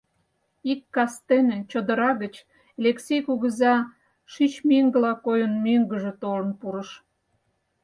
Ик кастене чодыра гыч Элексей кугыза, шӱч меҥгыла койын, мӧҥгыжӧ толын пурыш.